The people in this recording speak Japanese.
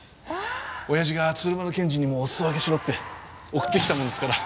親父が鶴丸検事にもおすそ分けしろって送ってきたもんですから。